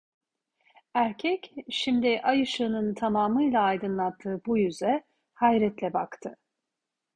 Erkek, şimdi ay ışığının tamamıyla aydınlattığı bu yüze hayretle baktı.